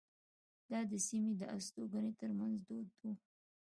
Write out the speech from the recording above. دا د سیمې د استوګنو ترمنځ دود وو.